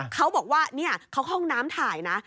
เขาบอกว่านี่เขาห้องน้ำถ่ายนะ